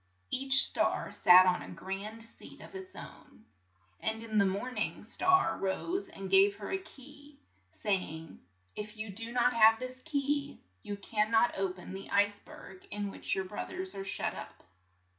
Each star sat on a grand seat of its own, and the morn ing star rose and gave her a key, say ing, "If you do not have this key, you can not o pen the ice berg in which your broth ers are shut up."